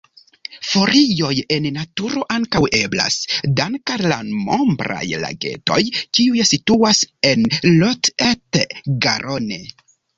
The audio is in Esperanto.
Ferioj en naturo ankaŭ eblas, dank'al la nombraj lagetoj kiuj situas en Lot-et-Garonne.